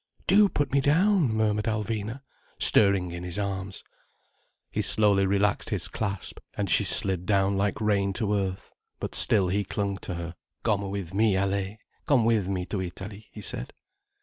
"Do put me down!" murmured Alvina, stirring in his arms. He slowly relaxed his clasp, and she slid down like rain to earth. But still he clung to her. "Come with me, Allaye! Come with me to Italy!" he said.